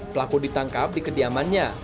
pelaku ditangkap di kediamannya